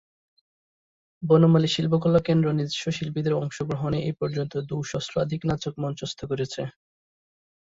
বনমালী শিল্পকলা কেন্দ্র নিজস্ব শিল্পীদের অংশ গ্রহণে এ পর্যন্ত দু’সহস্রাধিক নাটক মঞ্চস্থ করেছে।